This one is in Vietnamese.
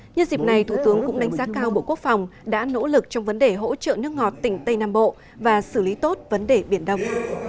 như dịp này thủ tướng cũng đánh giá cao bộ quốc phòng đã nỗ lực trong vấn đề hỗ trợ nước ngọt tỉnh tây nam bộ và xử lý tốt vấn đề biển đông